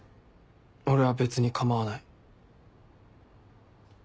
俺は別に構わない。